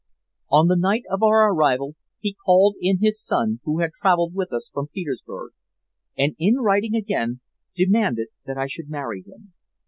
"On the night of our arrival he called in his son, who had traveled with us from Petersburg, and in writing again demanded that I should marry him.